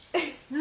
何？